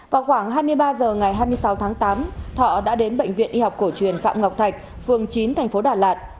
vào khoảng hai mươi ba h ngày hai mươi sáu tháng tám thọ đã đến bệnh viện y học cổ truyền phạm ngọc thạch phường chín thành phố đà lạt